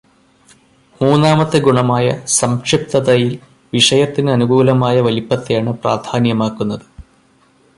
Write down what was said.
മൂന്നാമത്തെ ഗുണമായ സംക്ഷിപ്തതയിൽ വിഷയത്തിനു അനുകൂലമായ വലിപ്പത്തെയാണ് പ്രാധാന്യമാക്കുന്നത്.